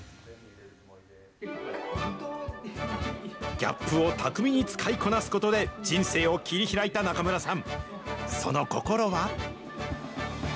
ギャップを巧みに使いこなすことで、人生を切り開いた中村さん。